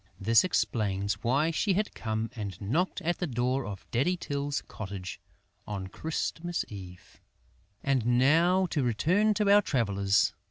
This explains why she had come and knocked at the door of Daddy Tyl's cottage on Christmas Eve. And now to return to our travellers.